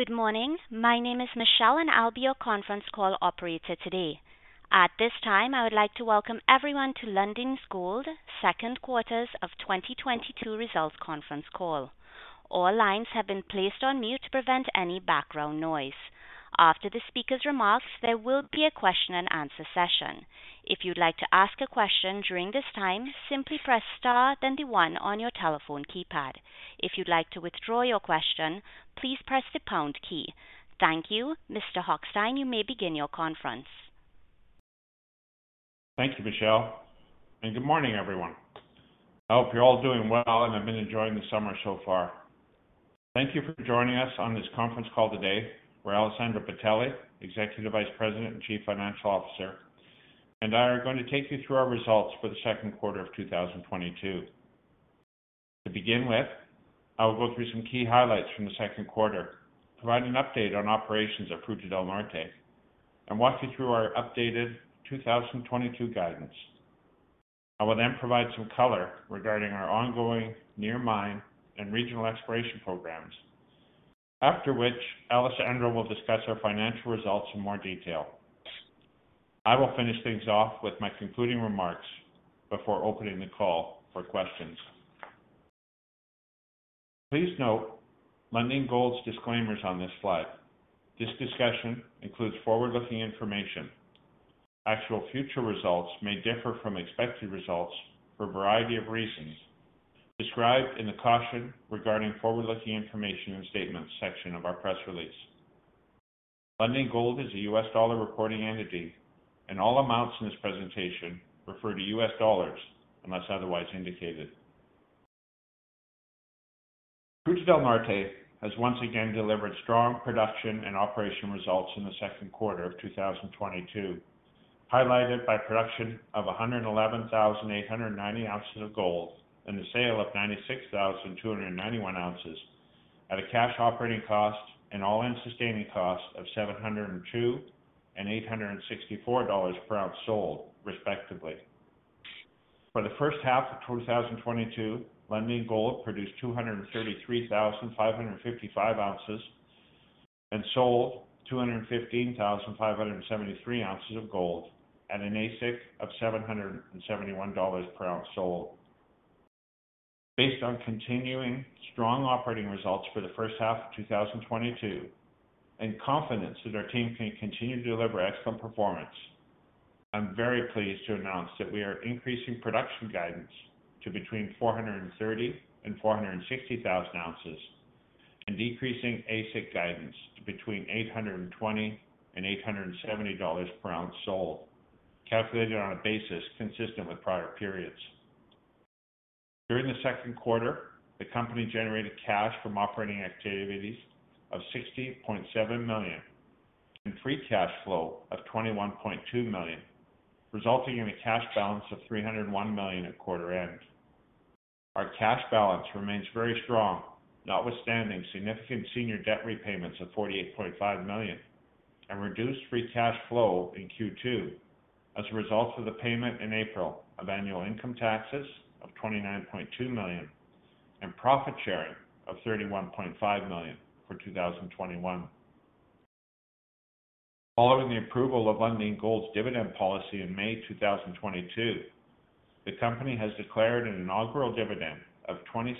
Good morning. My name is Michelle, and I'll be your conference call operator today. At this time, I would like to welcome everyone to Lundin Gold's second quarter of 2022 results conference call. All lines have been placed on mute to prevent any background noise. After the speaker's remarks, there will be a question-and-answer session. If you'd like to ask a question during this time, simply press star, then one on your telephone keypad. If you'd like to withdraw your question, please press the compound key. Thank you. Mr. Hochstein, you may begin your conference. Thank you, Michelle, and good morning, everyone. I hope you're all doing well and have been enjoying the summer so far. Thank you for joining us on this conference call today, where Alessandro Bitelli, Executive Vice President and Chief Financial Officer, and I are going to take you through our results for the second quarter of 2022. To begin with, I will go through some key highlights from the second quarter, provide an update on operations at Fruta del Norte, and walk you through our updated 2022 guidance. I will then provide some color regarding our ongoing near mine and regional exploration prog. After which, Alessandro will discuss our financial results in more detail. I will finish things off with my concluding remarks before opening the call for questions. Please note Lundin Gold's disclaimers on this slide. This discussion includes forward-looking information. Actual future results may differ from expected results for a variety of reasons described in the Caution Regarding Forward-Looking Information and Statements section of our press release. Lundin Gold is a U.S. dollar reporting entity, and all amounts in this presentation refer to U.S. dollars unless otherwise indicated. Fruta del Norte has once again delivered strong production and operation results in the second quarter of 2022, highlighted by production of 111,890 oz of gold and the sale of 96,291 oz at a cash operating cost and all-in sustaining cost of $702 and $864/oz sold, respectively. For the first half of 2022, Lundin Gold produced 233,555 oz and sold 215,573 oz of gold at an AISC of $771 oz sold. Based on continuing strong operating results for the first half of 2022 and confidence that our team can continue to deliver excellent performance, I'm very pleased to announce that we are increasing production guidance to between 430,000 oz-460,000 oz and decreasing AISC guidance to between $820- $870/oz sold, calculated on a basis consistent with prior periods. During the second quarter, the company generated cash from operating activities of $60.7 million and free cash flow of $21.2 million, resulting in a cash balance of $301 million at quarter end. Our cash balance remains very strong, notwithstanding significant senior debt repayments of $48.5 million and reduced free cash flow in Q2 as a result of the payment in April of annual income taxes of $29.2 million and profit sharing of $31.5 million for 2021. Following the approval of Lundin Gold's dividend policy in May 2022, the company has declared an inaugural dividend of $0.20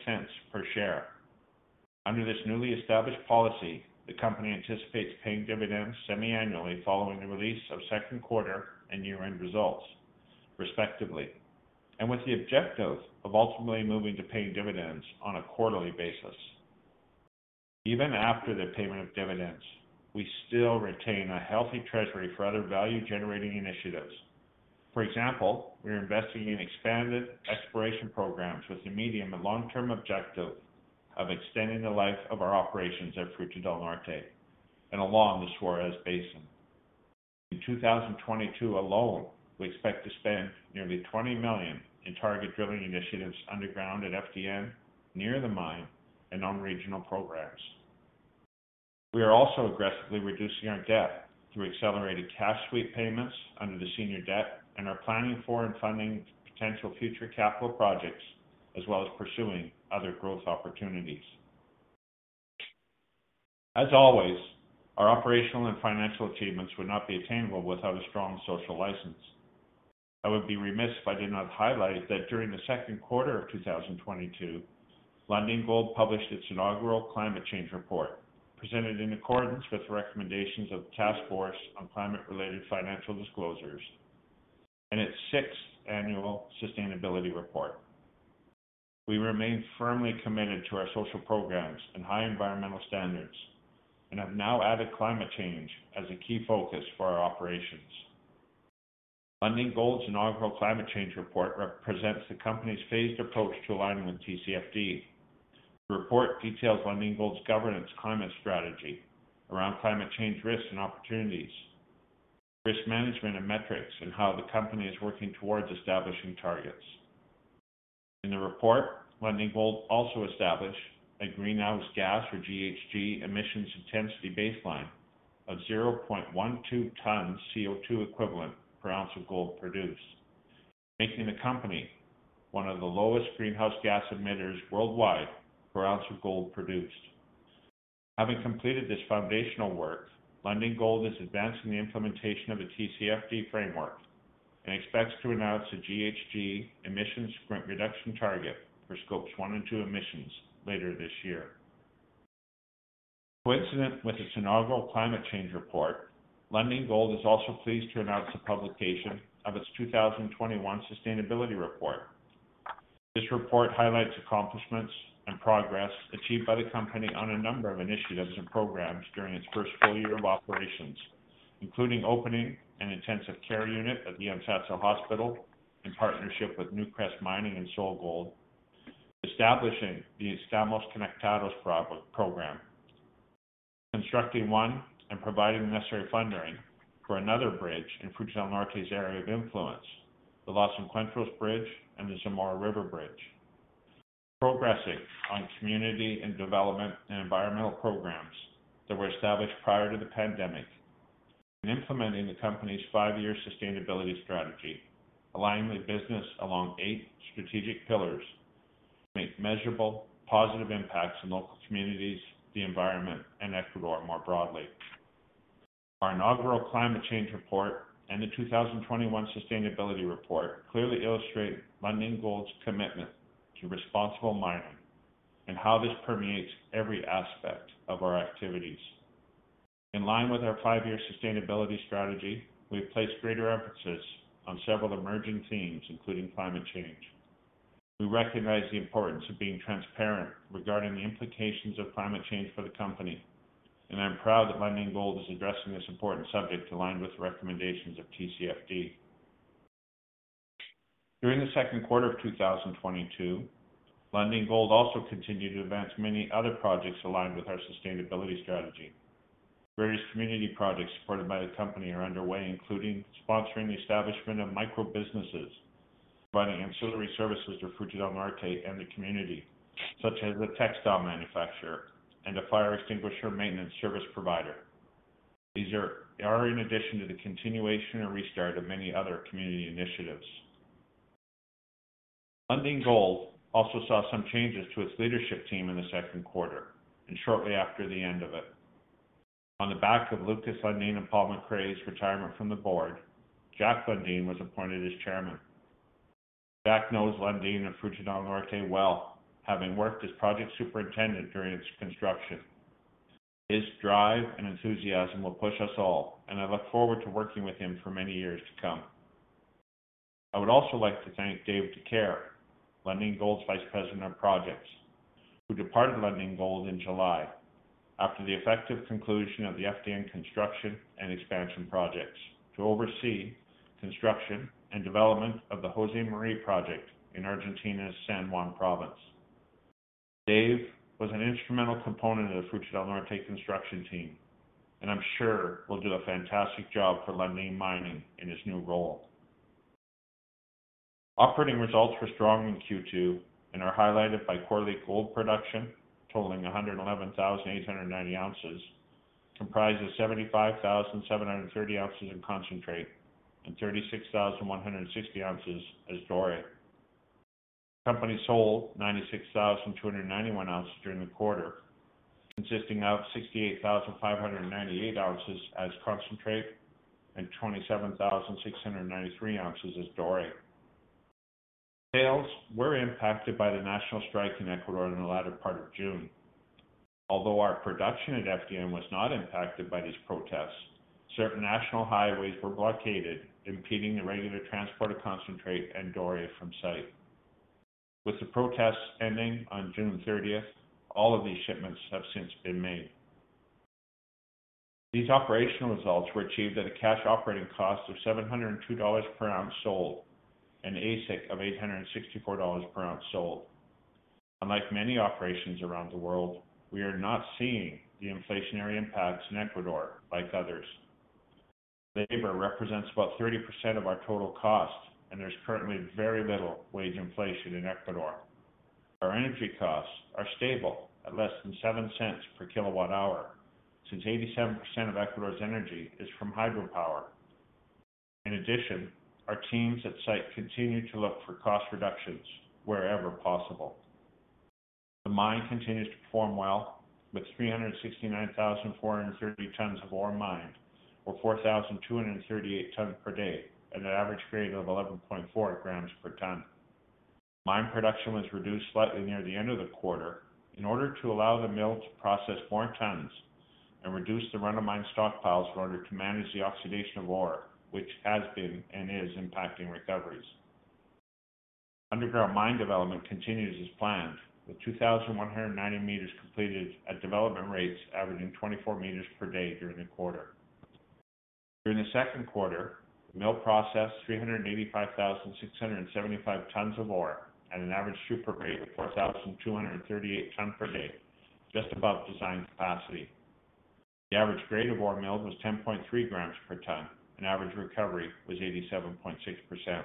per share. Under this newly established policy, the company anticipates paying dividends semi-annually following the release of second quarter and year-end results respectively, and with the objective of ultimately moving to paying dividends on a quarterly basis. Even after the payment of dividends, we still retain a healthy treasury for other value-generating initiatives. For example, we're investing in expanded exploration prog with the medium- and long-term objective of extending the life of our operations at Fruta del Norte and along the Suarez Basin. In 2022 alone, we expect to spend nearly $20 million in target drilling initiatives underground at FDN, near the mine, and on regional prog. We are also aggressively reducing our debt through accelerated cash sweep payments under the senior debt and are planning for and funding potential future capital projects, as well as pursuing other growth opportunities. As always, our operational and financial achievements would not be attainable without a strong social license. I would be remiss if I did not highlight that during the second quarter of 2022, Lundin Gold published its inaugural climate change report, presented in accordance with the recommendations of the Task Force on Climate-related Financial Disclosures and its sixth annual sustainability report. We remain firmly committed to our social prog and high environmental standards and have now added climate change as a key focus for our operations. Lundin Gold's inaugural climate change report represents the company's phased approach to aligning with TCFD. The report details Lundin Gold's governance climate strategy around climate change risks and opportunities, risk management and metrics, and how the company is working towards establishing targets. In the report, Lundin Gold also established a greenhouse gas or GHG emissions intensity baseline of 0.12 tons CO2 equivalent per oz of gold produced. Making the company one of the lowest greenhouse gas emitters worldwide /oz of gold produced. Having completed this foundational work, Lundin Gold is advancing the implementation of a TCFD framework and expects to announce a GHG emissions reduction target for scopes one and two emissions later this year. Coincident with its inaugural climate change report, Lundin Gold is also pleased to announce the publication of its 2021 sustainability report. This report highlights accomplishments and progress achieved by the company on a number of initiatives and prog during its first full year of operations, including opening an intensive care unit at the Yantzaza Hospital in partnership with Newcrest Mining and SolGold, establishing the Estamos Conectados Program, constructing one and providing the necessary funding for another bridge in Fruta del Norte's area of influence, the Los Encuentros Bridge and the Zamora River Bridge. Progressing on community and development and environmental prog that were established prior to the pandemic and implementing the company's five-year sustainability strategy, aligning the business along eight strategic pillars to make measurable positive impacts in local communities, the environment, and Ecuador more broadly. Our inaugural climate change report and the 2021 sustainability report clearly illustrate Lundin Gold's commitment to responsible mining and how this permeates every aspect of our activities. In line with our five-year sustainability strategy, we've placed greater emphasis on several emerging themes, including climate change. We recognize the importance of being transparent regarding the implications of climate change for the company, and I'm proud that Lundin Gold is addressing this important subject aligned with the recommendations of TCFD. During the second quarter of 2022, Lundin Gold also continued to advance many other projects aligned with our sustainability strategy. Various community projects supported by the company are underway, including sponsoring the establishment of micro-businesses, providing ancillary services to Fruta del Norte and the community, such as a textile manufacturer and a fire extinguisher maintenance service provider. These are in addition to the continuation and restart of many other community initiatives. Lundin Gold also saw some changes to its leadership team in the second quarter and shortly after the end of it. On the back of Lukas Lundin and Paul McRae's retirement from the board, Jack Lundin was appointed as Chairman. Jack knows Lundin and Fruta del Norte well, having worked as project superintendent during its construction. His drive and enthusiasm will push us all, and I look forward to working with him for many years to come. I would also like to thank Dave DeCaire, Lundin Gold's Vice President of Projects, who departed Lundin Gold in July after the effective conclusion of the FDN construction and expansion projects to oversee construction and development of the Josemaria project in Argentina's San Juan Province. Dave was an instrumental component of the Fruta del Norte construction team and I'm sure will do a fantastic job for Lundin Mining in his new role. Operating results were strong in Q2 and are highlighted by quarterly gold production totaling 111,890 oz, comprised of 75,730 oz in concentrate and 36,160 oz as Doré. The company sold 96,291 oz during the quarter, consisting of 68,598 oz as concentrate and 27,693 oz as Doré. Sales were impacted by the national strike in Ecuador in the latter part of June. Although our production at FDN was not impacted by these protests, certain national highways were blockaded, impeding the regular transport of concentrate and Doré from site. With the protests ending on June thirtieth, all of these shipments have since been made. These operational results were achieved at a cash operating cost of $702/oz sold, an AISC of $864/oz sold. Unlike many operations around the world, we are not seeing the inflationary impacts in Ecuador like others. Labor represents about 30% of our total cost, and there's currently very little wage inflation in Ecuador. Our energy costs are stable at less than $0.07 per kWh since 87% of Ecuador's energy is from hydropower. In addition, our teams at site continue to look for cost reductions wherever possible. The mine continues to perform well with 369,430 tons of ore mined or 4,238 tons per day at an average grade of 11.4 g/ton. Mine production was reduced slightly near the end of the quarter in order to allow the mill to process more tons and reduce the run-of-mine stockpiles in order to manage the oxidation of ore, which has been and is impacting recoveries. Underground mine development continues as planned, with 2,190 m completed at development rates averaging 24 m/day during the quarter. During the second quarter, the mill processed 385,675 tons of ore at an average throughput rate of 4,238 tons per day, just above design capacity. The average grade of ore milled was 10.3 g/ton, and average recovery was 87.6%.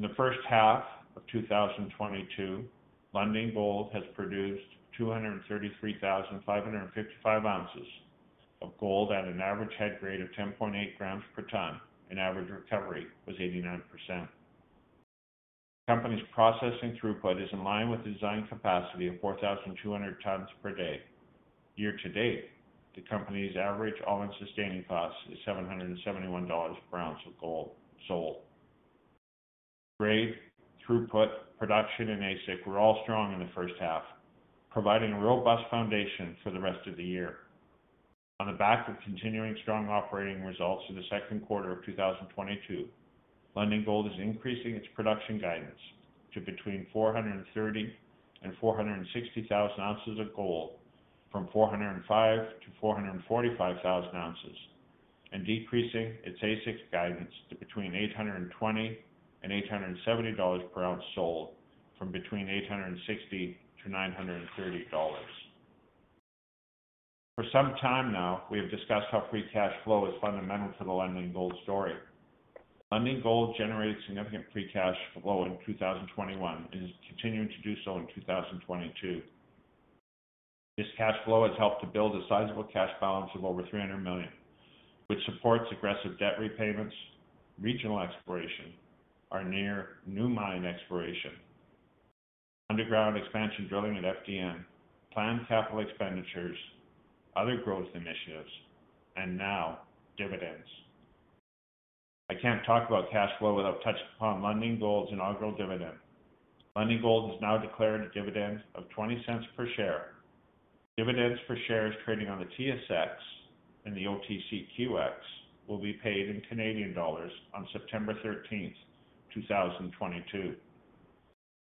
In the first half of 2022, Lundin Gold has produced 233,555 oz of gold at an average head grade of 10.8 g/ton, and average recovery was 89%. The company's processing throughput is in line with design capacity of 4,200 tons per day. Year to date, the company's average all-in sustaining cost is $771/oz of gold sold. Grade, throughput, production, and AISC were all strong in the first half, providing a robust foundation for the rest of the year. On the back of continuing strong operating results in the second quarter of 2022, Lundin Gold is increasing its production guidance to between 430,000 oz and 460,000 oz of gold from 405,000 oz-445,000 oz, and decreasing its AISC guidance to between $820 and $870 /oz sold from between $860 and $930. For some time now, we have discussed how free cash flow is fundamental to the Lundin Gold story. Lundin Gold generated significant free cash flow in 2021 and is continuing to do so in 2022. This cash flow has helped to build a sizable cash balance of over $300 million, which supports aggressive debt repayments, regional exploration, our near new mine exploration, underground expansion drilling at FDN, planned capital expenditures, other growth initiatives, and now dividends. I can't talk about cash flow without touching upon Lundin Gold's inaugural dividend. Lundin Gold has now declared a dividend of $0.20 per share. Dividends for shares trading on the TSX and the OTCQX will be paid in Canadian dollars on September 13, 2022.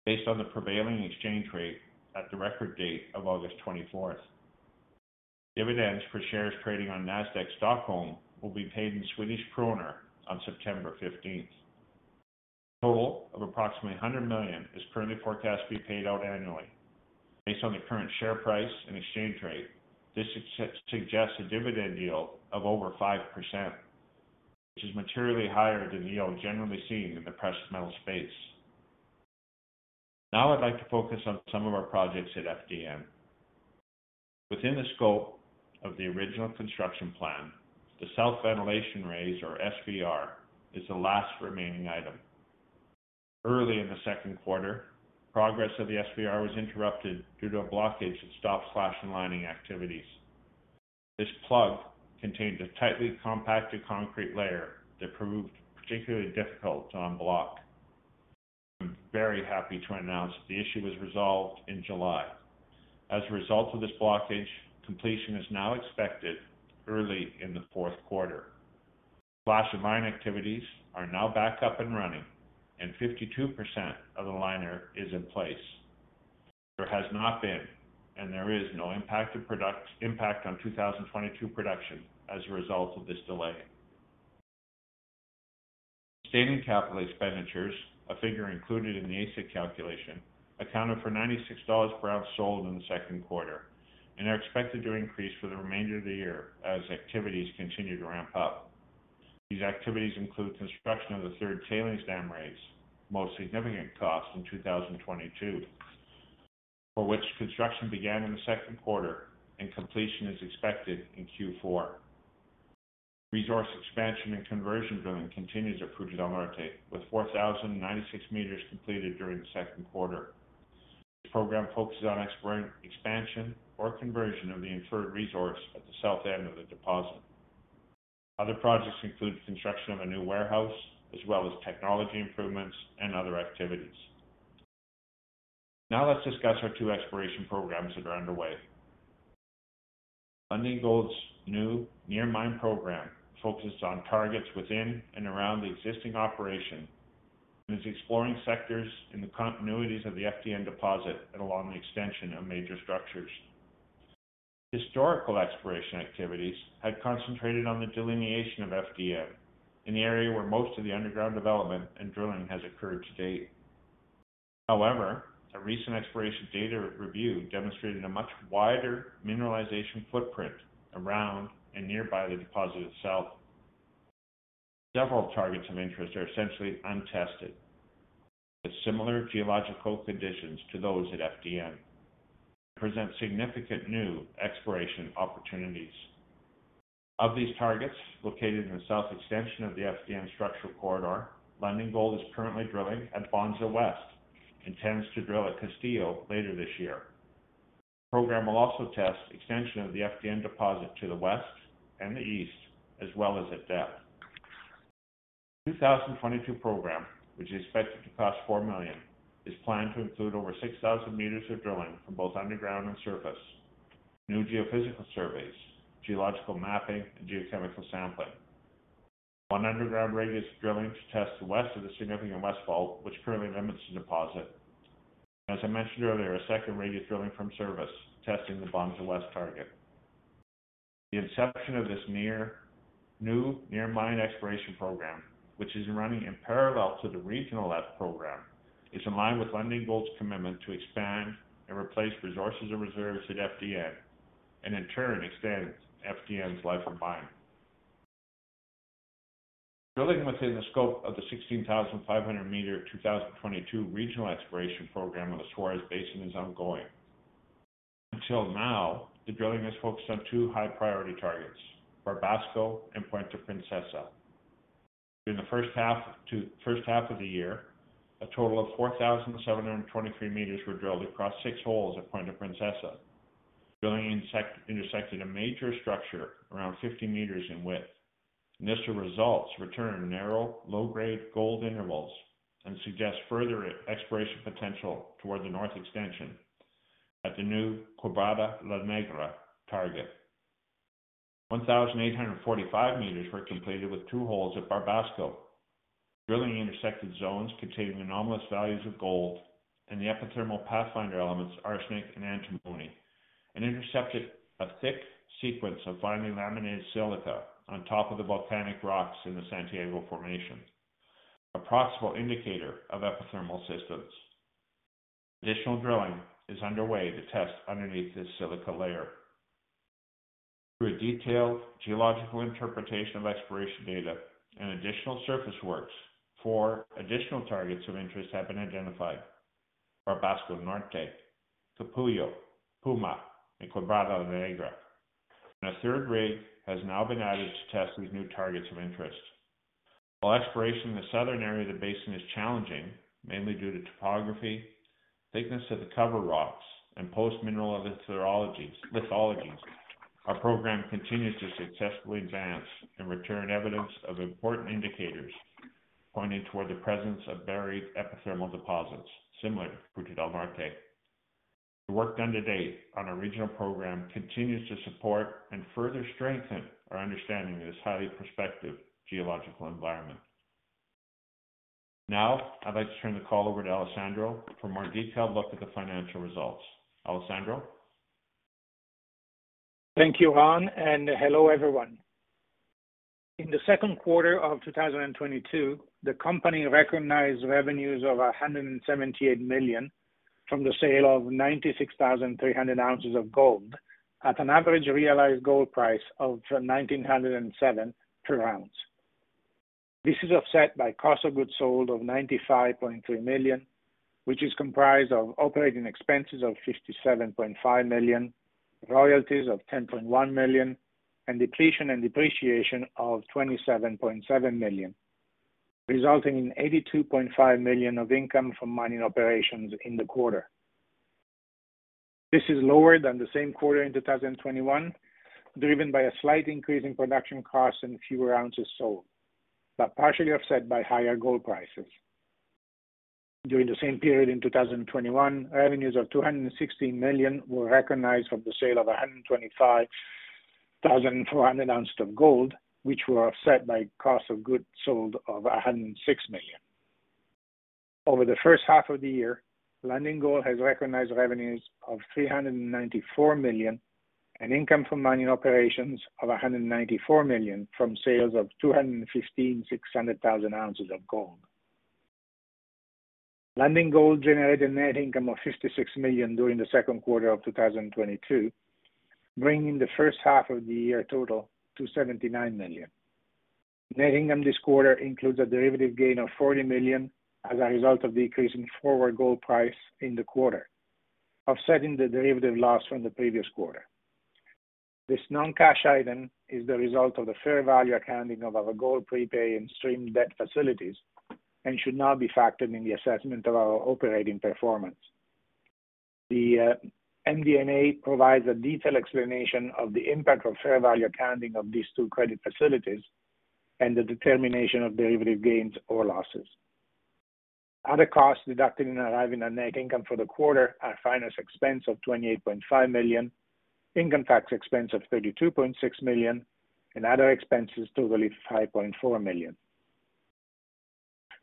Based on the prevailing exchange rate at the record date of August 24. Dividends for shares trading on Nasdaq Stockholm will be paid in Swedish krona on September 15. Total of approximately $100 million is currently forecast to be paid out annually. Based on the current share price and exchange rate, this suggests a dividend yield of over 5%, which is materially higher than the yield generally seen in the precious metal space. Now I'd like to focus on some of our projects at FDN. Within the scope of the original construction plan, the South Ventilation Raise or SVR is the last remaining item. Early in the second quarter, progress of the SVR was interrupted due to a blockage that stopped slashing and lining activities. This plug contained a tightly compacted concrete layer that proved particularly difficult to unblock. I'm very happy to announce the issue was resolved in July. As a result of this blockage, completion is now expected early in the fourth quarter. Slashing and mining activities are now back up and running, and 52% of the liner is in place. There has not been, and there is no impact on 2022 production as a result of this delay. Sustaining capital expenditures, a figure included in the AISC calculation, accounted for $96/oz sold in the second quarter, and are expected to increase for the remainder of the year as activities continue to ramp up. These activities include construction of the third tailings dam raise, most significant cost in 2022, for which construction began in the second quarter and completion is expected in Q4. Resource expansion and conversion drilling continues at Fruta del Norte with 4,096 m completed during the second quarter. This program focuses on expansion or conversion of the inferred resource at the south end of the deposit. Other projects include construction of a new warehouse as well as technology improvements and other activities. Now let's discuss our two exploration prog that are underway. Lundin Gold's new near mine program focuses on targets within and around the existing operation and is exploring sectors in the continuities of the FDN deposit and along the extension of major structures. Historical exploration activities had concentrated on the delineation of FDN in the area where most of the underground development and drilling has occurred to date. However, a recent exploration data review demonstrated a much wider mineralization footprint around and nearby the deposit itself. Several targets of interest are essentially untested. The similar geological conditions to those at FDN present significant new exploration opportunities. Of these targets located in the south extension of the FDN structural corridor, Lundin Gold is currently drilling at Bonanza West, intends to drill at Castillo later this year. The program will also test extension of the FDN deposit to the west and the east as well as at depth. The 2022 program, which is expected to cost $4 million, is planned to include over 6,000 m of drilling from both underground and surface, new geophysical surveys, geological mapping and geochemical sampling, one underground raise drilling to test west of the significant west fault which currently limits the deposit. As I mentioned earlier, a second raise drilling from surface testing the Bonanza West target. The inception of this new near mine exploration program, which is running in parallel to the regional program, is in line with Lundin Gold's commitment to expand and replace resources and reserves at FDN, and in turn expand FDN's life of mine. Drilling within the scope of the 16,500-meter 2022 regional exploration program on the Suarez Basin is ongoing. Until now, the drilling has focused on two high priority targets, Barbasco and Punta Princesa. During the first half of the year, a total of 4,723 m were drilled across six holes at Punta Princesa. Drilling intersected a major structure around 50 m in width. Initial results returned narrow, low grade gold intervals and suggest further exploration potential toward the north extension at the new Quebrada La Negra target. 1,845 m were completed with two holes at Barbasco. Drilling intersected zones containing anomalous values of gold and the epithermal pathfinder elements arsenic and antimony, and intercepted a thick sequence of finely laminated silica on top of the volcanic rocks in the Santiago Formation, a proximal indicator of epithermal systems. Additional drilling is underway to test underneath this silica layer. Through a detailed geological interpretation of exploration data and additional surface works, four additional targets of interest have been identified, Barbasco Norte, Capullo, Puma and Quebrada La Negra. A third rig has now been added to test these new targets of interest. While exploration in the southern area of the basin is challenging, mainly due to topography, thickness of the cover rocks and post-mineral lithologies, our program continues to successfully advance and return evidence of important indicators pointing toward the presence of buried epithermal deposits similar to Fruta del Norte. The work done to date on our regional program continues to support and further strengthen our understanding of this highly prospective geological environment. Now I'd like to turn the call over to Alessandro for a more detailed look at the financial results. Alessandro? Thank you, Ron, and hello, everyone. In the second quarter of 2022, the company recognized revenues of $178 million from the sale of 96,300 oz of gold at an average realized gold price of $1,907/oz. This is offset by cost of goods sold of $95.3 million, which is comprised of operating expenses of $57.5 million, royalties of $10.1 million, and depletion and depreciation of $27.7 million, resulting in $82.5 million of income from mining operations in the quarter. This is lower than the same quarter in 2021, driven by a slight increase in production costs and fewer oz sold, but partially offset by higher gold prices. During the same period in 2021, revenues of $260 million were recognized from the sale of 125,400 oz of gold, which were offset by cost of goods sold of $106 million. Over the first half of the year, Lundin Gold has recognized revenues of $394 million and income from mining operations of $194 million from sales of 215,600 oz of gold. Lundin Gold generated net income of $56 million during the second quarter of 2022, bringing the first half of the year total to $79 million. Net income this quarter includes a derivative gain of $40 million as a result of the increase in forward gold price in the quarter, offsetting the derivative loss from the previous quarter. This non-cash item is the result of the fair value accounting of our gold prepay and stream debt facilities and should not be factored in the assessment of our operating performance. The MD&A provides a detailed explanation of the impact of fair value accounting of these two credit facilities and the determination of derivative gains or losses. Other costs deducted in arriving at net income for the quarter are finance expense of $28.5 million, income tax expense of $32.6 million, and other expenses totaling $5.4 million.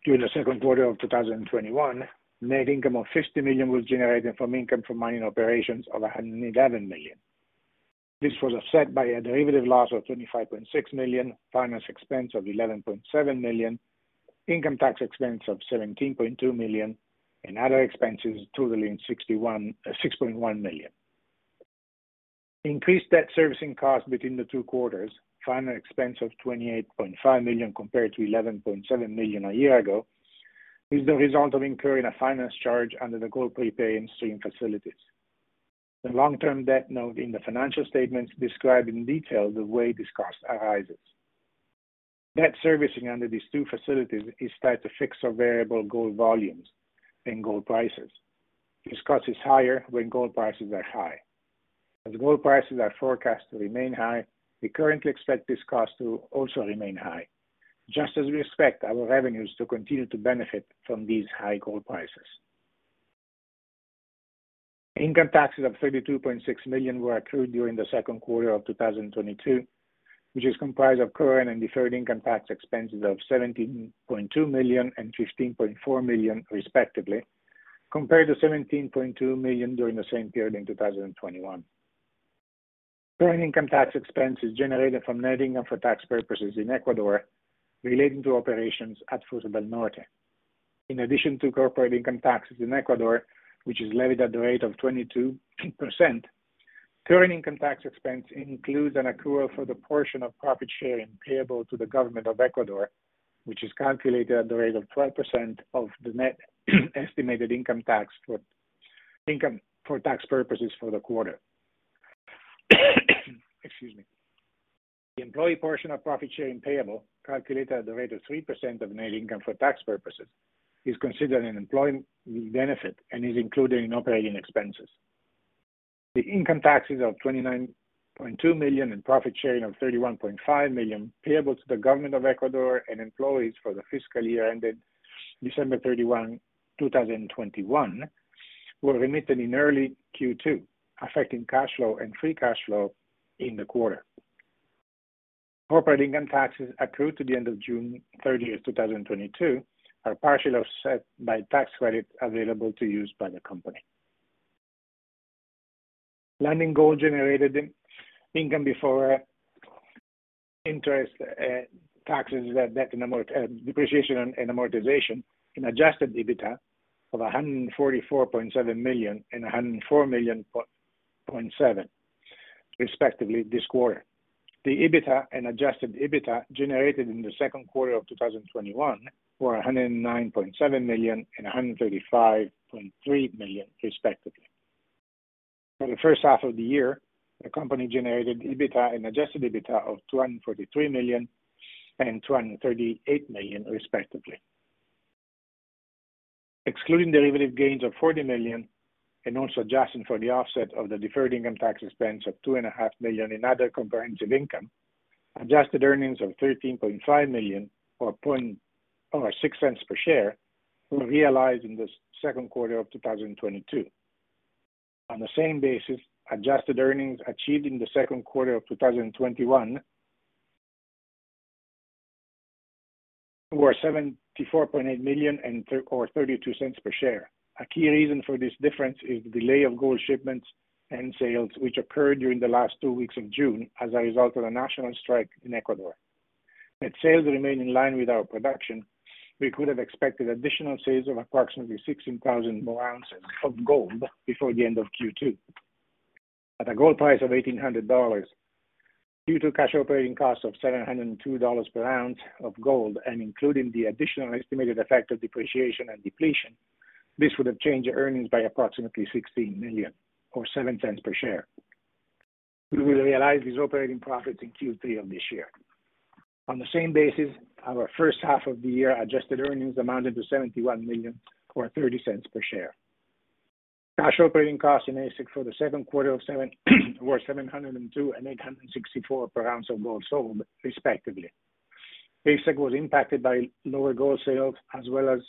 During the second quarter of 2021, net income of $50 million was generated from income from mining operations of $111 million. This was offset by a derivative loss of $25.6 million, finance expense of $11.7 million, income tax expense of $17.2 million and other expenses totaling $61.6 million. Increased debt servicing costs between the two quarters, finance expense of $28.5 million compared to $11.7 million a year ago, is the result of incurring a finance charge under the gold prepay and stream facilities. The long-term debt note in the financial statements describe in detail the way this cost arises. Debt servicing under these two facilities is tied to fixed or variable gold volumes and gold prices. This cost is higher when gold prices are high. As gold prices are forecast to remain high, we currently expect this cost to also remain high, just as we expect our revenues to continue to benefit from these high gold prices. Income taxes of $32.6 million were accrued during the second quarter of 2022, which is comprised of current and deferred income tax expenses of $17.2 million and $15.4 million respectively, compared to $17.2 million during the same period in 2021. Current income tax expense is generated from netting them for tax purposes in Ecuador relating to operations at Fruta del Norte. In addition to corporate income taxes in Ecuador, which is levied at the rate of 22%, current income tax expense includes an accrual for the portion of profit sharing payable to the government of Ecuador, which is calculated at the rate of 12% of the net estimated income tax for income for tax purposes for the quarter. Excuse me. The employee portion of profit sharing payable, calculated at the rate of 3% of net income for tax purposes, is considered an employment benefit and is included in operating expenses. The income taxes of $29.2 million and profit sharing of $31.5 million payable to the government of Ecuador and employees for the fiscal year ended December 31, 2021 were remitted in early Q2, affecting cash flow and free cash flow in the quarter. Corporate income taxes accrued to the end of June 30, 2022 are partially offset by tax credits available to use by the company. Lundin Gold generated income before interest, taxes, depreciation and amortization and adjusted EBITDA of $144.7 million and $104.7 million respectively this quarter. The EBITDA and adjusted EBITDA generated in the second quarter of 2021 were $109.7 million and $135.3 million respectively. For the first half of the year, the company generated EBITDA and adjusted EBITDA of $243 million and $238 million, respectively. Excluding derivative gains of $40 million and also adjusting for the offset of the deferred income tax expense of $2.5 million in other comprehensive income, adjusted earnings of $13.5 million or $0.06 per share were realized in the second quarter of 2022. On the same basis, adjusted earnings achieved in the second quarter of 2021 were $74.8 million or $0.32 per share. A key reason for this difference is the delay of gold shipments and sales, which occurred during the last two weeks of June as a result of a national strike in Ecuador. If sales remain in line with our production, we could have expected additional sales of approximately 16,000 oz more of gold before the end of Q2. At a gold price of $1,800 less cash operating costs of $702/oz of gold, and including the additional estimated effect of depreciation and depletion, this would have changed earnings by approximately $16 million or $0.07 per share. We will realize these operating profits in Q3 of this year. On the same basis, our first half of the year adjusted earnings amounted to $71 million or $0.30 per share. Cash operating costs and AISC for the second quarter were $702 and $864/oz of gold sold, respectively. AISC was impacted by lower gold sales as well as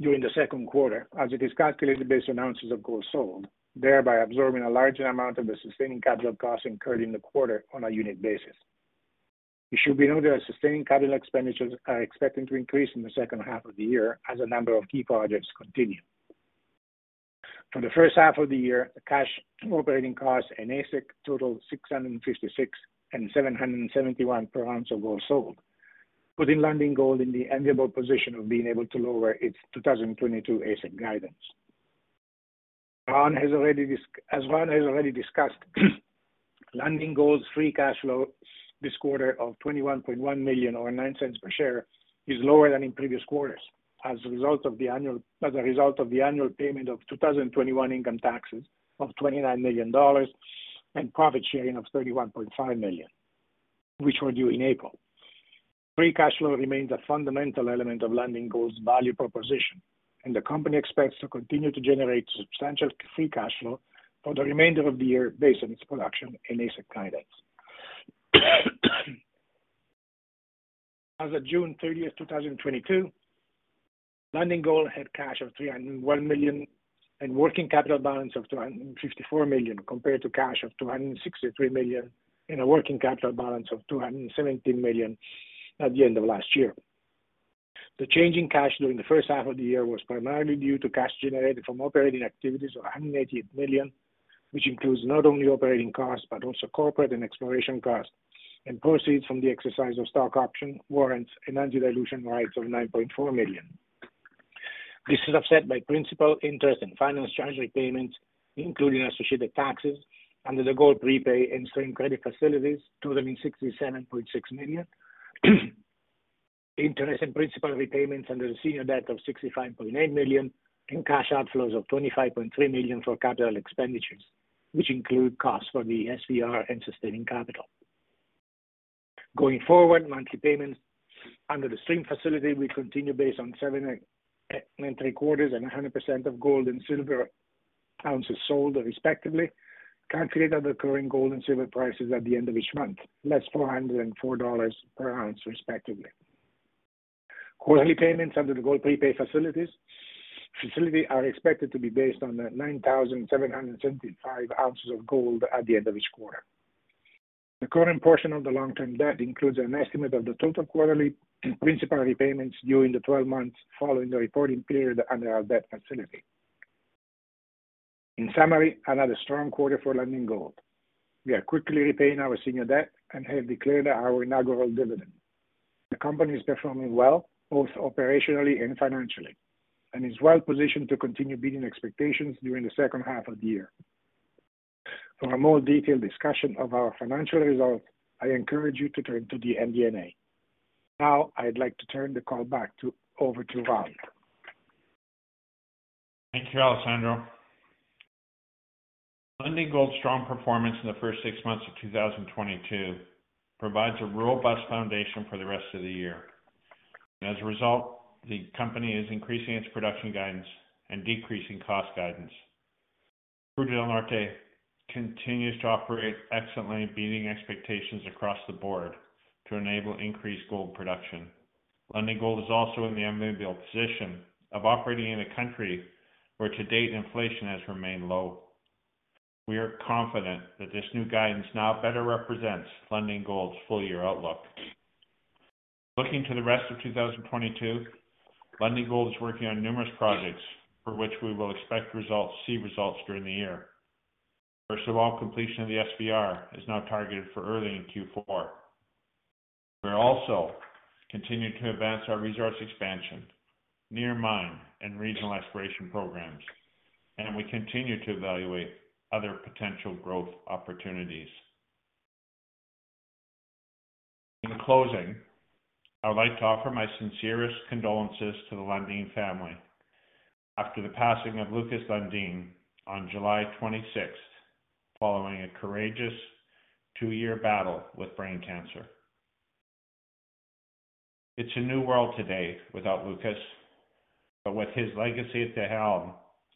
during the second quarter, as it is calculated based on oz of gold sold, thereby absorbing a larger amount of the sustaining capital costs incurred in the quarter on a unit basis. It should be noted that sustaining capital expenditures are expected to increase in the second half of the year as a number of key projects continue. For the first half of the year, the cash operating costs and AISC totaled $656 and $771/oz of gold sold, putting Lundin Gold in the enviable position of being able to lower its 2022 AISC guidance. As Ron has already discussed, Lundin Gold's free cash flow this quarter of $21.1 million or $0.09 per share is lower than in previous quarters as a result of the annual payment of 2021 income taxes of $29 million and profit sharing of $31.5 million, which were due in April. Free cash flow remains a fundamental element of Lundin Gold's value proposition, and the company expects to continue to generate substantial free cash flow for the remainder of the year based on its production and AISC guidance. As of June thirtieth, two thousand and twenty-two, Lundin Gold had cash of $301 million and working capital balance of $254 million, compared to cash of $263 million and a working capital balance of $217 million at the end of last year. The change in cash during the first half of the year was primarily due to cash generated from operating activities of $188 million, which includes not only operating costs but also corporate and exploration costs, and proceeds from the exercise of stock option warrants and anti-dilution rights of $9.4 million. This is offset by principal interest and finance charge repayments, including associated taxes under the gold prepay and stream credit facilities totaling $67.6 million. Interest and principal repayments under the senior debt of $65.8 million and cash outflows of $25.3 million for capital expenditures, which include costs for the SVR and sustaining capital. Going forward, monthly payments under the stream facility will continue based on 7.75% and 100% of gold and silver ounces sold respectively, calculated at the current gold and silver prices at the end of each month, less $404/oz, respectively. Quarterly payments under the gold prepay facility are expected to be based on the 9,775 oz of gold at the end of each quarter. The current portion of the long-term debt includes an estimate of the total quarterly principal repayments during the 12 months following the reporting period under our debt facility. In summary, another strong quarter for Lundin Gold. We are quickly repaying our senior debt and have declared our inaugural dividend. The company is performing well both operationally and financially, and is well positioned to continue beating expectations during the second half of the year. For a more detailed discussion of our financial results, I encourage you to turn to the MD&A. Now I'd like to turn the call over to Ron. Thank you, Alessandro. Lundin Gold's strong performance in the first six months of 2022 provides a robust foundation for the rest of the year. As a result, the company is increasing its production guidance and decreasing cost guidance. Fruta del Norte continues to operate excellently, beating expectations across the board to enable increased gold production. Lundin Gold is also in the enviable position of operating in a country where to date inflation has remained low. We are confident that this new guidance now better represents Lundin Gold's full year outlook. Looking to the rest of 2022, Lundin Gold is working on numerous projects for which we will see results during the year. First of all, completion of the SVR is now targeted for early in Q4. We're also continuing to advance our resource expansion, near mine and regional exploration prog, and we continue to evaluate other potential growth opportunities. In closing, I would like to offer my sincerest condolences to the Lundin family after the passing of Lukas Lundin on July 26, following a courageous two-year battle with brain cancer. It's a new world today without Lukas, but with his legacy at the helm,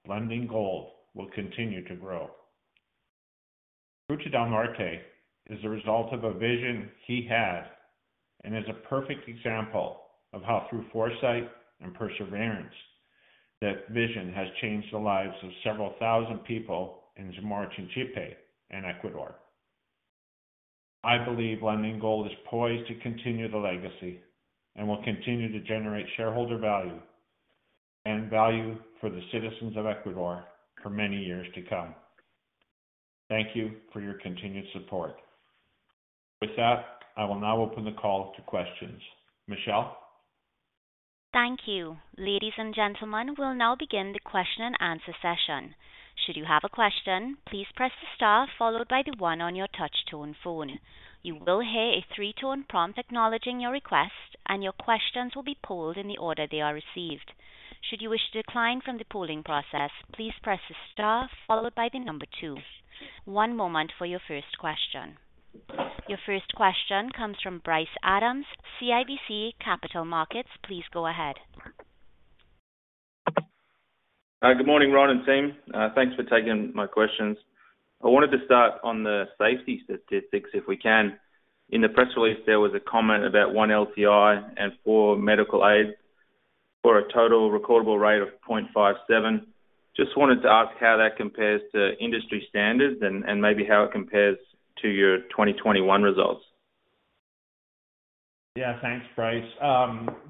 Lundin Gold will continue to grow. Fruta del Norte is the result of a vision he had, and is a perfect example of how, through foresight and perseverance, that vision has changed the lives of several thousand people in Zamora-Chinchipe in Ecuador. I believe Lundin Gold is poised to continue the legacy and will continue to generate shareholder value and value for the citizens of Ecuador for many years to come. Thank you for your continued support. With that, I will now open the call to questions. Michelle? Thank you. Ladies and gentlemen, we'll now begin the question and answer session. Should you have a question, please press the star followed by the 1 on your touch tone phone. You will hear a three-tone prompt acknowledging your request, and your questions will be queued in the order they are received. Should you wish to decline from the queuing process, please press star followed by the number two. One moment for your first question. Your first question comes from Bryce Adams, CIBC Capital Markets. Please go ahead. Good morning, Ron and team. Thanks for taking my questions. I wanted to start on the safety statistics, if we can. In the press release, there was a comment about one LTI and four medical aids for a total recordable rate of 0.57. Just wanted to ask how that compares to industry standards and maybe how it compares to your 2021 results. Yeah. Thanks, Bryce.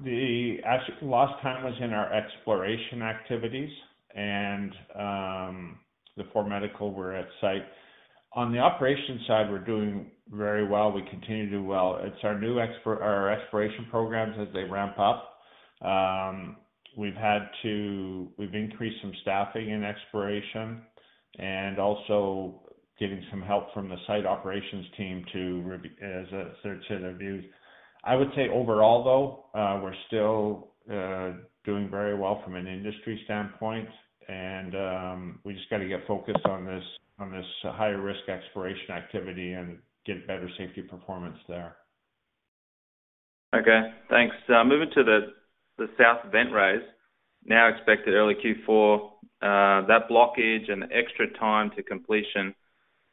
The last time was in our exploration activities and the four medicals were at site. On the operations side, we're doing very well. We continue to do well. It's our new exploration prog as they ramp up. We've increased some staffing in exploration and also getting some help from the site operations team to assist with search interviews. I would say overall though, we're still doing very well from an injury standpoint and we just got to get focused on this higher risk exploration activity and get better safety performance there. Moving to the South Ventilation Raise, now expected early Q4, that blockage and extra time to completion,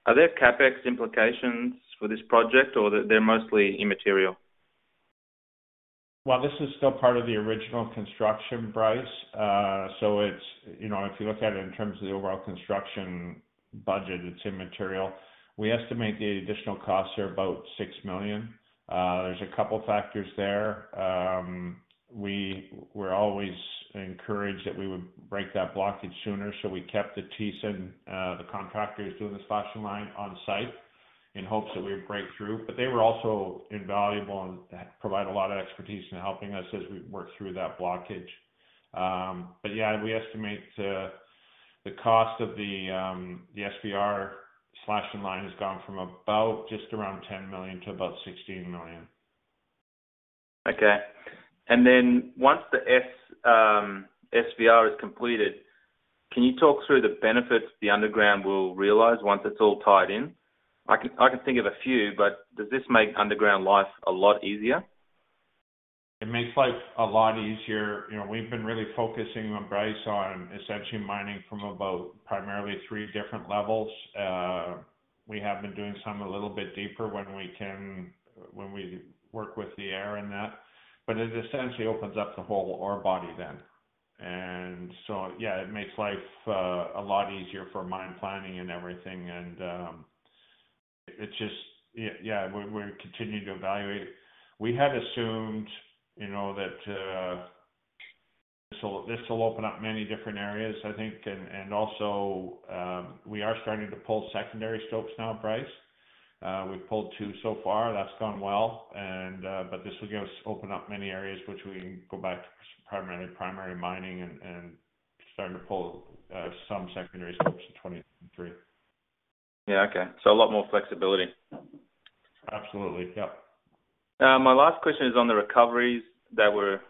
are there CapEx implications for this project or they're mostly immaterial? Well, this is still part of the original construction, Bryce. It's, you know, if you look at it in terms of the overall construction budget, it's immaterial. We estimate the additional costs are about $6 million. There's a couple factors there. We were always encouraged that we would break that blockage sooner, so we kept the Thyssen contractors doing the slashing line on site in hopes that we would break through. But they were also invaluable and provide a lot of expertise in helping us as we work through that blockage. But yeah, we estimate the cost of the SVR slashing line has gone from about just around $10 million to about $16 million. Okay. Once the SVR is completed, can you talk through the benefits the underground will realize once it's all tied in? I can think of a few, but does this make underground life a lot easier? It makes life a lot easier. You know, we've been really focusing on, Bryce, essentially mining from about primarily three different levels. We have been doing some a little bit deeper when we can, when we work with the air and that, but it essentially opens up the whole ore body then. Yeah, it makes life a lot easier for mine planning and everything. It's just yeah, we're continuing to evaluate. We had assumed, you know, that so this will open up many different areas, I think. We are starting to pull secondary stopes now, Bryce. We've pulled two so far. That's gone well, but this will give us open up many areas which we can go back to primarily primary mining and starting to pull some secondary stopes in 2023. Yeah. Okay. A lot more flexibility. Absolutely. Yep. My last question is on the recoveries that were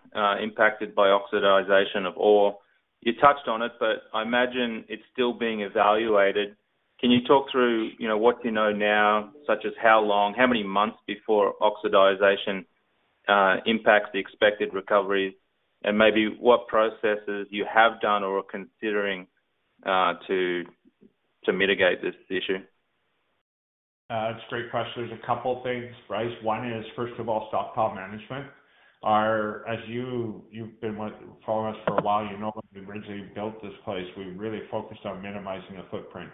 impacted by oxidation of ore. You touched on it, but I imagine it's still being evaluated. Can you talk through, you know, what you know now, such as how long, how many months before oxidation impacts the expected recoveries? Maybe what processes you have done or are considering to mitigate this issue? That's a great question. There's a couple things, Bryce. One is, first of all, stockpile management. As you've been following us for a while, you know, when we originally built this place, we really focused on minimizing the footprint.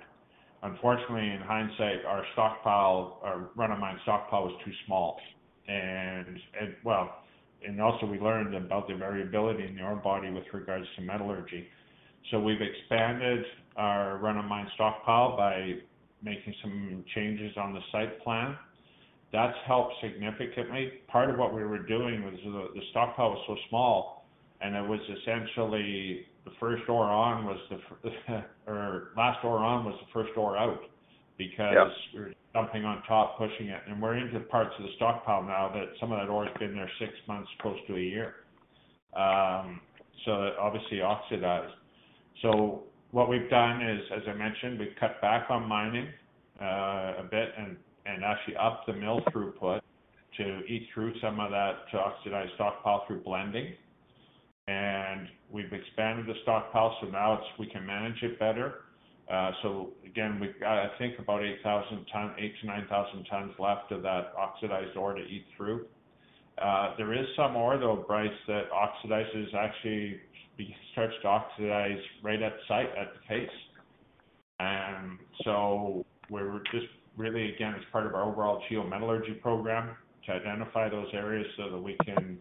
Unfortunately, in hindsight, our stockpile, our run-of-mine stockpile was too small. And also we learned about the variability in the ore body with regards to metallurgy. So we've expanded our run-of-mine stockpile by making some changes on the site plan. That's helped significantly. Part of what we were doing was the stockpile was so small, and it was essentially the first ore on was the first ore out because Yeah We were dumping on top, pushing it. We're into parts of the stockpile now that some of that ore has been there six months close to a year. It obviously oxidized. What we've done is, as I mentioned, we've cut back on mining a bit and actually upped the mill throughput to eat through some of that oxidized stockpile through blending. We've expanded the stockpile, so now we can manage it better. Again, we've got, I think, about 8,000 tons, 8,000-9,000 tons left of that oxidized ore to eat through. There is some ore, though, Bryce, that actually starts to oxidize right at the site, at the face. We're just really, again, as part of our overall geometallurgy program, to identify those areas so that we can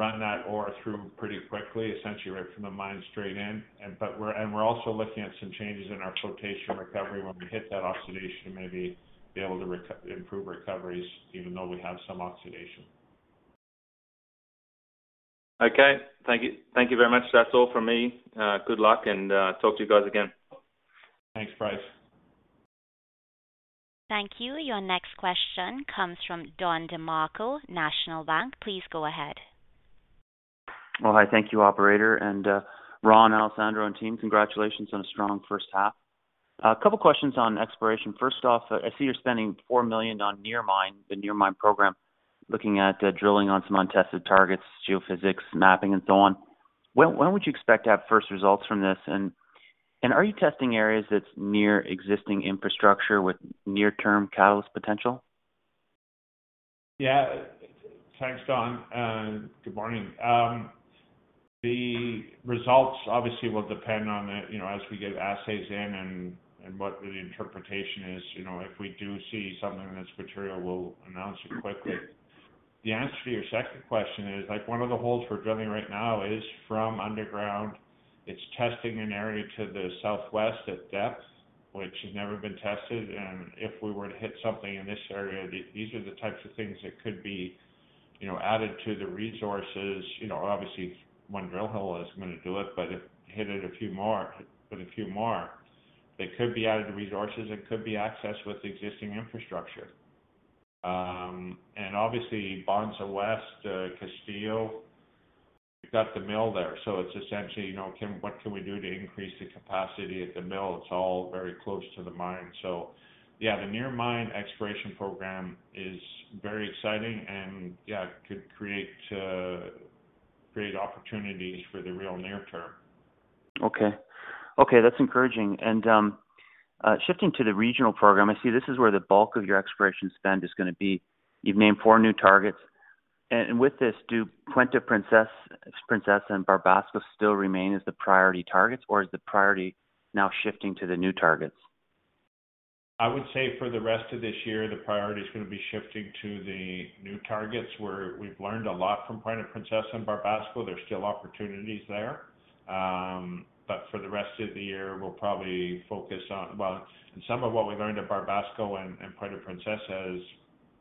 run that ore through pretty quickly, essentially right from the mine straight in. We're also looking at some changes in our flotation recovery when we hit that oxidation, maybe be able to improve recoveries even though we have some oxidation. Okay. Thank you. Thank you very much. That's all from me. Good luck and talk to you guys again. Thanks, Bryce. Thank you. Your next question comes from Don DeMarco, National Bank Financial. Please go ahead. Well, hi. Thank you, operator. Ron, Alessandro and team, congratulations on a strong first half. A couple questions on exploration. First off, I see you're spending $4 million on near mine, the near mine program, looking at drilling on some untested targets, geophysics, mapping and so on. When would you expect to have first results from this? And are you testing areas that's near existing infrastructure with near-term catalyst potential? Yeah. Thanks, Don, and good morning. The results obviously will depend on the, you know, as we get assays in and what the interpretation is. You know, if we do see something that's material, we'll announce it quickly. The answer to your second question is, like one of the holes we're drilling right now is from underground. It's testing an area to the southwest at depth, which has never been tested. If we were to hit something in this area, these are the types of things that could be, you know, added to the resources. You know, obviously one drill hole isn't gonna do it, but if we hit it a few more, they could be added to resources and could be accessed with existing infrastructure. Obviously Bonanza West, Castillo, we've got the mill there. It's essentially, you know, what can we do to increase the capacity at the mill? It's all very close to the mine. Yeah, the near mine exploration program is very exciting and, yeah, could create opportunities for the real near term. Okay. Okay, that's encouraging. Shifting to the regional program, I see this is where the bulk of your exploration spend is gonna be. You've named four new targets. With this, do Punta Princesa and Barbasco still remain as the priority targets, or is the priority now shifting to the new targets? I would say for the rest of this year, the priority is gonna be shifting to the new targets where we've learned a lot from Punta Princesa and Barbasco. There's still opportunities there. Well, some of what we learned at Barbasco and Punta Princesa has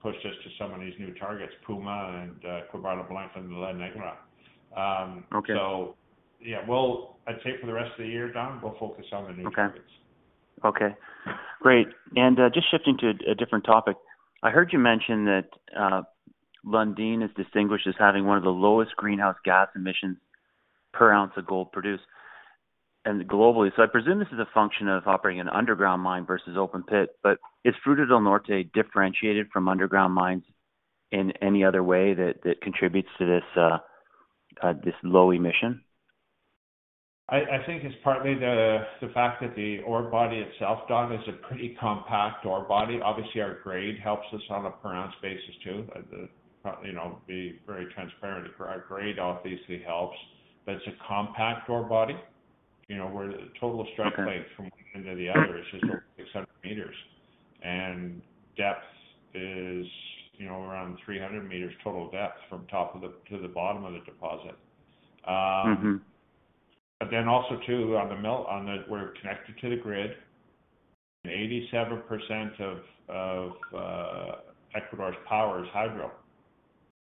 pushed us to some of these new targets, Puma and Quebrada La Negra. Okay. Yeah, I'd say for the rest of the year, Don, we'll focus on the new targets. Okay. Okay, great. Just shifting to a different topic. I heard you mention that Lundin is distinguished as having one of the lowest greenhouse gas emissions per ounce of gold produced and globally. I presume this is a function of operating an underground mine versus open pit. Is Fruta del Norte differentiated from underground mines in any other way that contributes to this low emission? I think it's partly the fact that the ore body itself, Don, is a pretty compact ore body. Obviously, our grade helps us on a per ounce basis too. You know, be very transparent. Our grade obviously helps, but it's a compact ore body. You know, where the total strike length from one end to the other is just over 600 m. Depth is, you know, around 300 m total depth from top of the to the bottom of the deposit. Mm-hmm. We're connected to the grid, and 87% of Ecuador's power is hydro.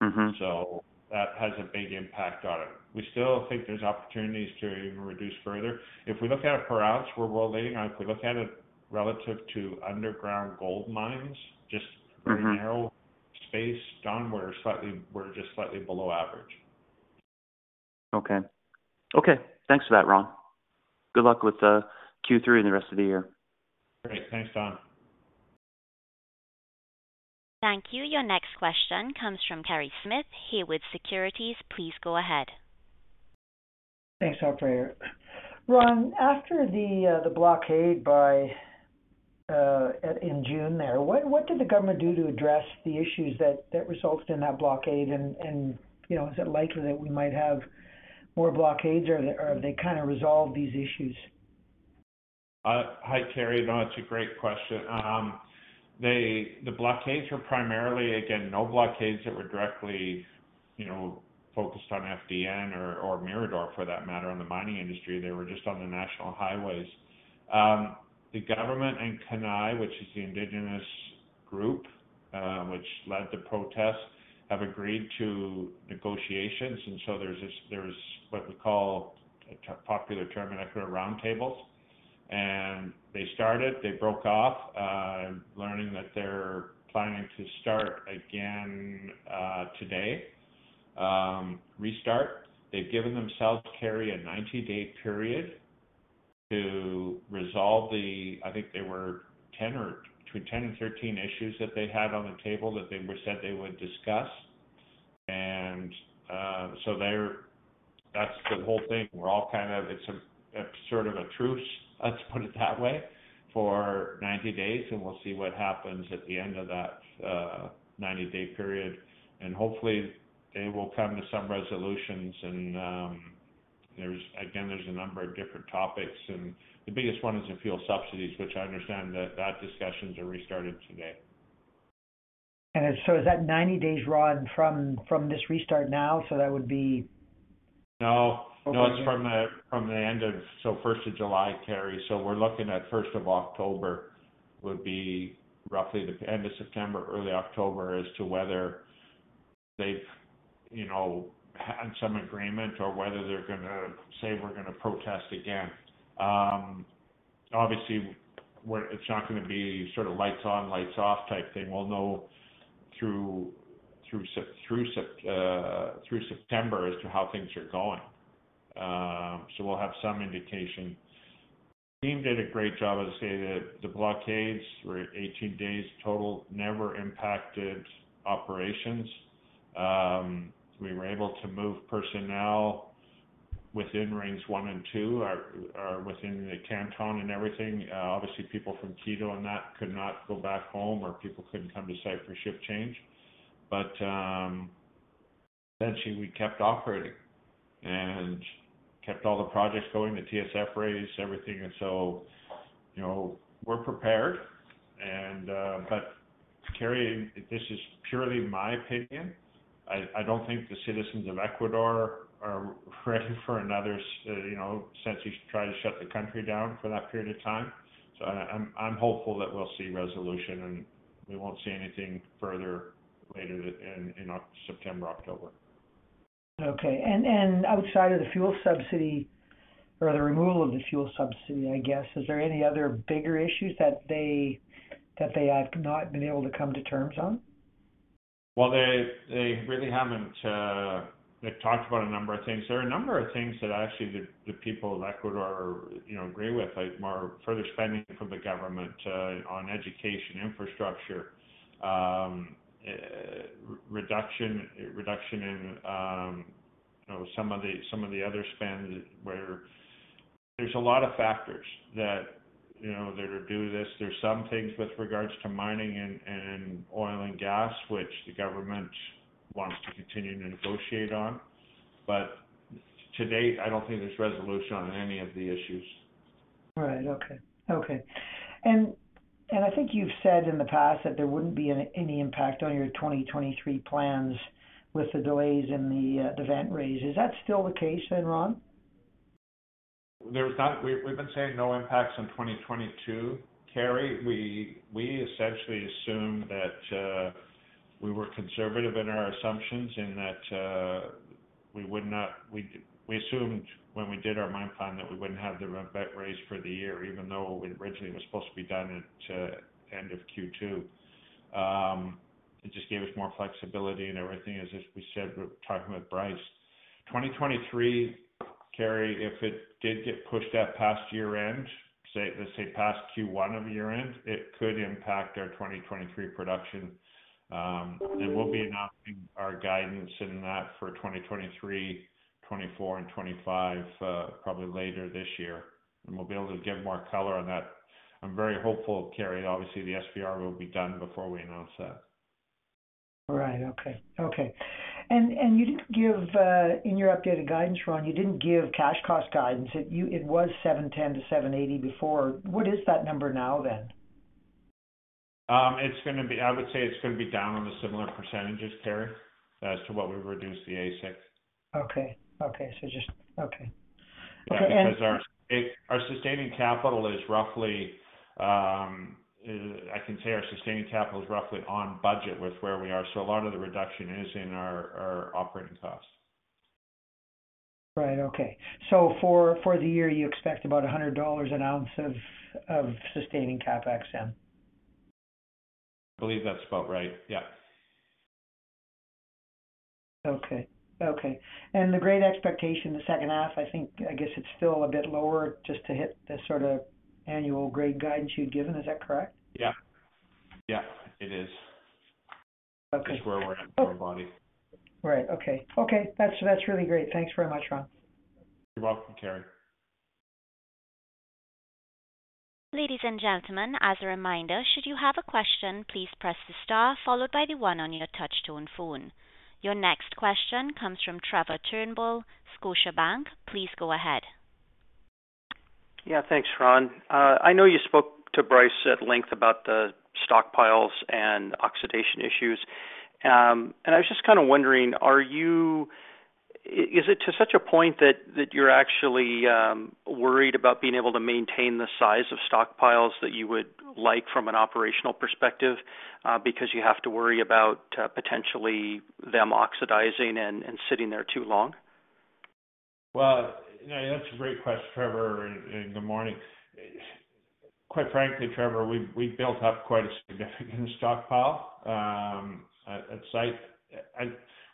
Mm-hmm. That has a big impact on it. We still think there's opportunities to even reduce further. If we look at it per ounce, we're well leading. If we look at it relative to underground gold mines, just- Mm-hmm Very narrow space, Don, we're just slightly below average. Okay. Okay, thanks for that, Ron. Good luck with Q3 and the rest of the year. Great. Thanks, Don. Thank you. Your next question comes from Smith, Veritas Investment Research. Please go ahead. Thanks, Operator. Ron, after the blockade in June there, what did the government do to address the issues that resulted in that blockade? You know, is it likely that we might have more blockades, or have they kinda resolved these issues? Hi, Kerry. No, it's a great question. The blockades were primarily, again, no blockades that were directly, you know, focused on FDN or Mirador for that matter, on the mining industry. They were just on the national highways. The government and CONAIE, which is the indigenous group, which led the protests, have agreed to negotiations. There's this, what we call a popular term in Ecuador, roundtables. They started, they broke off, hearing that they're planning to start again today, restart. They've given themselves, Kerry, a 90-day period to resolve the, I think there were 10 or between 10 and 13 issues that they had on the table that they said they would discuss. That's the whole thing. We're all kind of. It's a sort of a truce, let's put it that way, for 90 days, and we'll see what happens at the end of that 90-day period. Hopefully they will come to some resolutions. There's again a number of different topics, and the biggest one is the fuel subsidies, which I understand that discussions are restarted today. Is that 90 days, Ron, from this restart now? That would be- No. Okay. No, it's from the end of. First of July, Kerry. We're looking at first of October would be roughly the end of September, early October as to whether they've had some agreement or whether they're gonna say, "We're gonna protest again." Obviously, it's not gonna be sort of lights on, lights off type thing. We'll know through September as to how things are going. We'll have some indication. Team did a great job, I'd say, that the blockades were 18 days total, never impacted operations. We were able to move personnel within rings one and two or within the canton and everything. Obviously, people from Quito and that could not go back home or people couldn't come to site for shift change. Eventually we kept operating and kept all the projects going, the TSF raise, everything. You know, we're prepared. Kerry, this is purely my opinion. I don't think the citizens of Ecuador are ready for another you know, essentially try to shut the country down for that period of time. I'm hopeful that we'll see resolution, and we won't see anything further later in September, October. Okay. Outside of the fuel subsidy or the removal of the fuel subsidy, I guess, is there any other bigger issues that they have not been able to come to terms on? Well, they really haven't. They've talked about a number of things. There are a number of things that actually the people of Ecuador, you know, agree with, like more further spending from the government on education infrastructure, reduction in, you know, some of the other spend where there's a lot of factors that, you know, that'll do this. There's some things with regards to mining and oil and gas, which the government wants to continue to negotiate on. To date, I don't think there's resolution on any of the issues. Right. Okay. I think you've said in the past that there wouldn't be any impact on your 2023 plans with the delays in the vent raise. Is that still the case then, Ron? We've been saying no impacts in 2022, Kerry. We essentially assume that we were conservative in our assumptions and that we assumed when we did our mine plan that we wouldn't have the vent raise for the year, even though it originally was supposed to be done at end of Q2. It just gave us more flexibility and everything as we said, we were talking with Bryce. 2023, Kerry, if it did get pushed out past year-end, say, let's say past Q1 of year-end, it could impact our 2023 production. We'll be announcing our guidance in that for 2023, 2024 and 2025, probably later this year, and we'll be able to give more color on that. I'm very hopeful, Kerry. Obviously, the SPR will be done before we announce that. You didn't give in your updated guidance, Ron, cash cost guidance. It was $710-$780 before. What is that number now then? I would say it's gonna be down on the similar percentages, Kerry, as to what we've reduced the AISC. Okay. Okay. So just-- Okay. And- Yeah. I can say our sustaining capital is roughly on budget with where we are, so a lot of the reduction is in our operating costs. Right. Okay. For the year, you expect about $100 an ounce of sustaining CapEx then? I believe that's about right. Yeah. Okay. The grade expectation, the second half, I think, I guess it's still a bit lower just to hit the sort of annual grade guidance you'd given. Is that correct? Yeah. Yeah, it is. Okay. That's where we're working our bodies. Right. Okay. That's really great. Thanks very much, Ron. You're welcome, Kerry. Ladies and gentlemen, as a reminder, should you have a question, please press the star followed by the one on your touch tone phone. Your next question comes from Trevor Turnbull, Scotiabank. Please go ahead. Yeah. Thanks, Ron. I know you spoke to Bryce at length about the stockpiles and oxidation issues. I was just kinda wondering, is it to such a point that you're actually worried about being able to maintain the size of stockpiles that you would like from an operational perspective, because you have to worry about potentially them oxidizing and sitting there too long? Well, you know, that's a great question, Trevor, and good morning. Quite frankly, Trevor, we've built up quite a significant stockpile at site.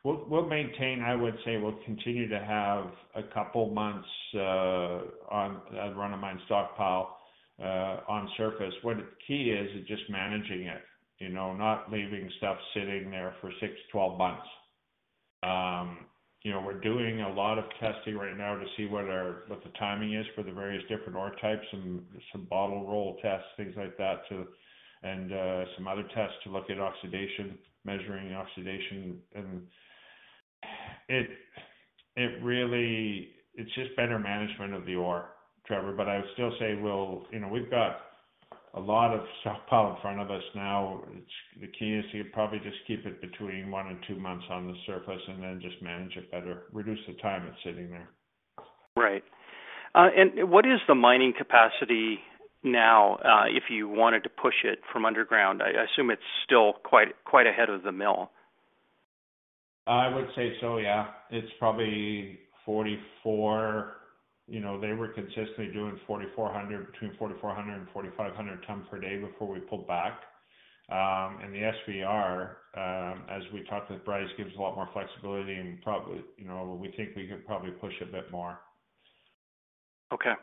We'll maintain, I would say we'll continue to have a couple months on run of mine stockpile on surface. What the key is just managing it, you know, not leaving stuff sitting there for 6-12 months. You know, we're doing a lot of testing right now to see what the timing is for the various different ore types and some bottle roll tests, things like that, and some other tests to look at oxidation, measuring oxidation. It's just better management of the ore, Trevor. But I would still say we'll, you know, we've got a lot of stockpile in front of us now. The key is to probably just keep it between 1 and 2 months on the surface and then just manage it better, reduce the time it's sitting there. Right. What is the mining capacity now, if you wanted to push it from underground? I assume it's still quite ahead of the mill. I would say so, yeah. It's probably 44. You know, they were consistently doing 4,400, between 4,400-4,500 tons per day before we pulled back. The SVR, as we talked with Bryce, gives a lot more flexibility and probably, you know, we think we could probably push a bit more. Okay.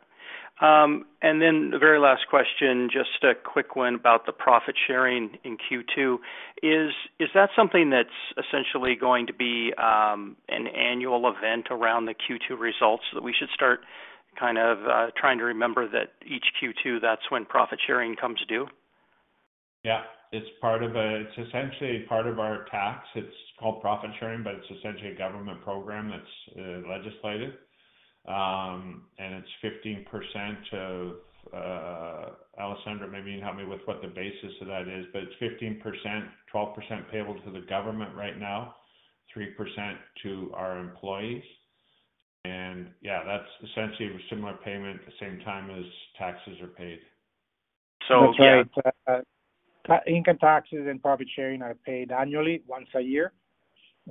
The very last question, just a quick one about the profit-sharing in Q2. Is that something that's essentially going to be an annual event around the Q2 results that we should start kind of trying to remember that each Q2, that's when profit-sharing comes due? Yeah. It's essentially part of our tax. It's called profit-sharing, but it's essentially a government program that's legislated. It's 15% of... Alessandro, maybe you can help me with what the basis of that is. It's 15%, 12% payable to the government right now, 3% to our employees. Yeah, that's essentially a similar payment at the same time as taxes are paid. Yeah. That's right. Income taxes and profit-sharing are paid annually once a year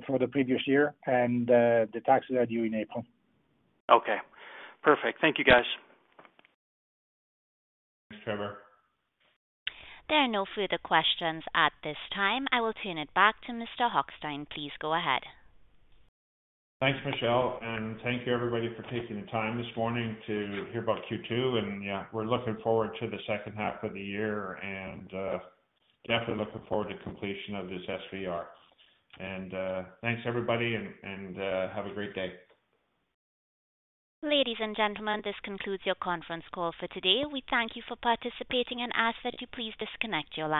for the previous year and the taxes are due in April. Okay. Perfect. Thank you, guys. Thanks, Trevor. There are no further questions at this time. I will turn it back to Mr. Hochstein. Please go ahead. Thanks, Michelle, and thank you, everybody, for taking the time this morning to hear about Q2. Yeah, we're looking forward to the second half of the year and definitely looking forward to completion of this SVR. Thanks, everybody, and have a great day. Ladies and gentlemen, this concludes your conference call for today. We thank you for participating and ask that you please disconnect your lines.